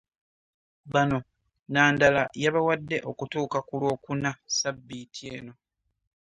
Bano Nandala yabawadde okutuuka ku Lwokuna Ssabbiiti eno